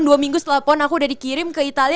dua minggu setelah pon aku udah dikirim ke itali